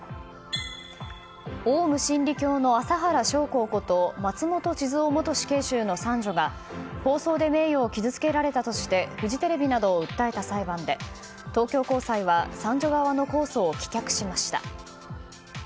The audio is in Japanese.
オウム真理教の麻原彰晃こと松本智津夫元死刑囚の三女が放送で名誉を傷つけられたとしてフジテレビなどを訴えた裁判で東京高裁は三女側の公訴を棄却しました。